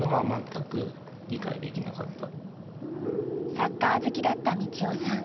サッカー好きだった路夫さん。